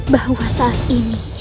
bahwa saat ini